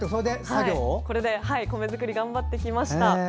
これで米作りを頑張ってきました。